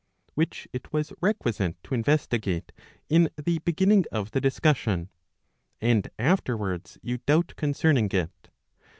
Which it was requisite to investigate in the beginning of the discussion. And afterwards you doubt concerning it.